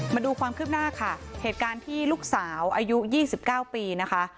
มาดูความคืบหน้าค่ะเหตุการณ์ที่ลูกสาวอายุ๒๙ปีนะคะ